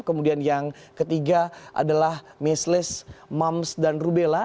kemudian yang ketiga adalah mesles moms dan rubella